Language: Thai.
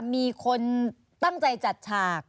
มีคนตั้งใจจัดฉาก